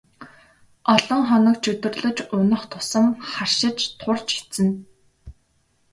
Олон хоног чөдөрлөж унах тусам харшиж турж эцнэ.